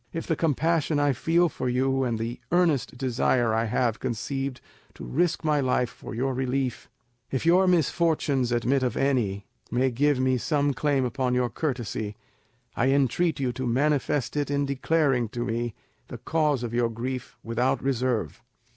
If the compassion I feel for you, and the earnest desire I have conceived to risk my life for your relief—if your misfortunes admit of any—may give me some claim upon your courtesy, I entreat you to manifest it in declaring to me the cause of your grief without reserve."